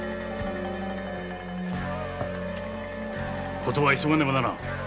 事は急がねばならん。